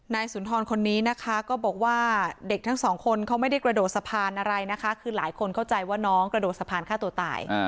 สุนทรคนนี้นะคะก็บอกว่าเด็กทั้งสองคนเขาไม่ได้กระโดดสะพานอะไรนะคะคือหลายคนเข้าใจว่าน้องกระโดดสะพานฆ่าตัวตาย